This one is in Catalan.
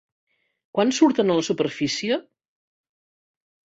Quan surten a la superfície?